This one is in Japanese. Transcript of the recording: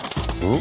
ん？